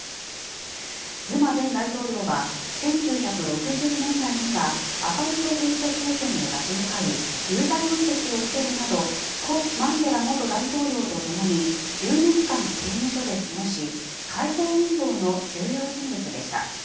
ズマ前大統領は１９６０年代にはアパルトヘイト政権へ立ち向かい有罪判決を受けるなど故マンデラ大統領とともに１０年間刑務所で過ごし解放運動の重要人物でした。